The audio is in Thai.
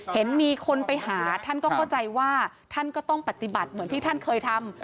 เห็นมีคนไปหาท่านก็เข้าใจว่าท่านก็ต้องปฏิบัติเหมือนที่ท่านเคยทำ